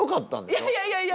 いやいやいやいや！